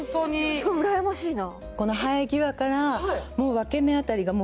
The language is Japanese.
すごいうらやましいな。